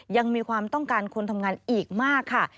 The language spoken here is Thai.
ยังมีความต้องการคนทำงานอีกมากค่ะ